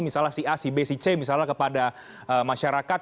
misalnya si a si b si c misalnya kepada masyarakat